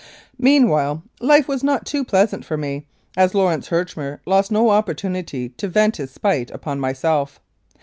Meanwhile life was none too pleasant for me, as Lawrence Herchmer lost no opportunity to vent his spite upon myself.